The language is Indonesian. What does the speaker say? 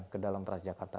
ke dalam transjakarta